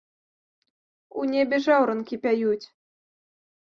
У небе жаўранкі пяюць.